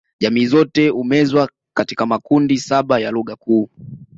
Jamii zote humezwa katika makundi saba ya lugha kuu